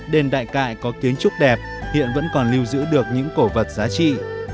đền đại cại có kiến trúc đẹp hiện vẫn còn lưu giữ được những cổ vật giá trị